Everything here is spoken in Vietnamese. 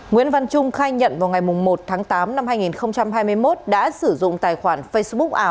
nguyễn văn trung khai nhận vào ngày một tháng tám năm hai nghìn hai mươi một đã sử dụng tài khoản facebook ảo